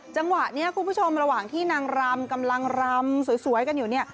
จังหวะนี้คุณผู้ชมระหว่างที่นางรำกำลังรำสวยกันอยู่เนี่ย